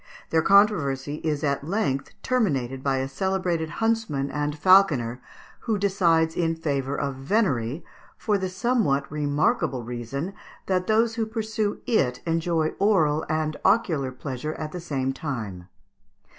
Their controversy is at length terminated by a celebrated huntsman and falconer, who decides in favour of venery, for the somewhat remarkable reason that those who pursue it enjoy oral and ocular pleasure at the same time.